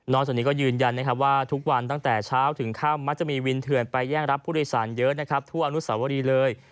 จากนี้ก็ยืนยันว่าทุกวันตั้งแต่เช้าถึงค่ำมักจะมีวินเถื่อนไปแย่งรับผู้โดยสารเยอะนะครับทั่วอนุสาวรีเลย